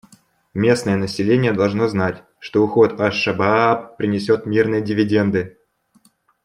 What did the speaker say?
Местное население должно знать, что уход «Аш-Шабааб» принесет мирные дивиденды.